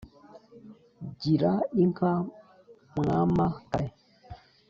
Gira inka Mwama-kare